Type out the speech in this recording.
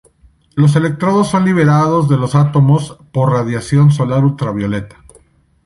Los electrones son liberados de los átomos por radiación solar ultravioleta.